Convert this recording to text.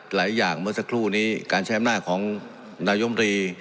หลายอย่างเมื่อสักครู่นี้การใช้อำนาจของนายมตรี